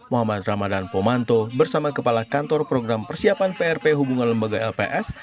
muhammad ramadan pomanto bersama kepala kantor program persiapan prp hubungan lembaga lps